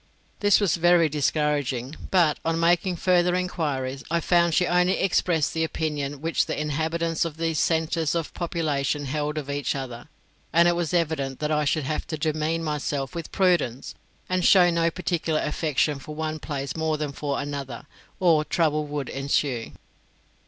This was very discouraging; but, on making further enquiries, I found she only expressed the opinion which the inhabitants of these centres of population held of each other; and it was evident that I should have to demean myself with prudence, and show no particular affection for one place more than for another, or trouble would ensue.